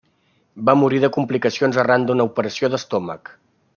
Va morir de complicacions arran d’una operació d'estómac.